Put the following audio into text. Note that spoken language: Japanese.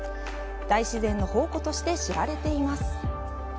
大自然の宝庫として知られています。